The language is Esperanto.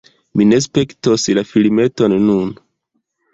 Mi ne spektos la filmeton nun